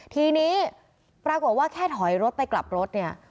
ทีนี้ปรากฏว่าแค่ถอยรถไปกลับรถเนี่ย